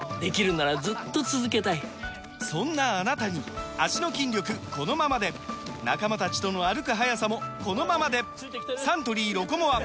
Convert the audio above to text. そんなあなたに脚の筋力このままで仲間たちとの歩く速さもこのままでサントリー「ロコモア」！